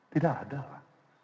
tidak ada lah